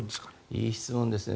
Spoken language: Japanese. いい質問ですね。